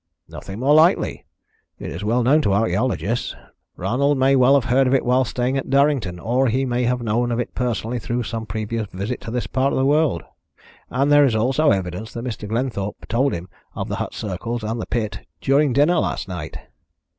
"Nothing more likely. It is well known to archæologists. Ronald may well have heard of it while staying at Durrington, or he may have known of it personally through some previous visit to this part of the world. And there is also evidence that Mr. Glenthorpe told him of the hut circles and the pit during dinner last night."